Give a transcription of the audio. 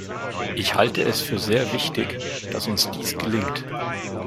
Ich halte es für sehr wichtig, dass uns dies gelingt.